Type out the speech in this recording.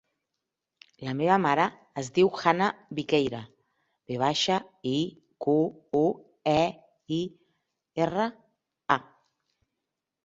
La meva mare es diu Hanna Viqueira: ve baixa, i, cu, u, e, i, erra, a.